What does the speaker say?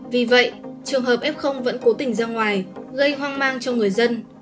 vì vậy trường hợp f vẫn cố tình ra ngoài gây hoang mang cho người dân